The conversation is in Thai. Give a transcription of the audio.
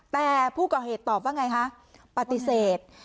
แต่ผู้ก่อเหตุตอบว่าไงคะปฏิเสธ